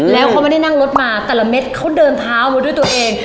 แล้วเขาไม่ได้นั่งรถมาแต่ละเม็ดเขาเดินเท้ามาด้วยตัวเอง